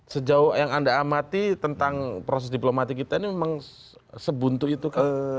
sejauh yang anda amati tentang proses diplomatik kita ini memang sebuntu itu ke